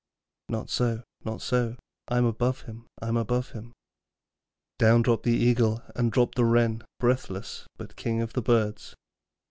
'Not so, not so, I'm above him, I'm above him.' Down dropped the Eagle, and down dropped the Wren, breathless, but King of the Birds.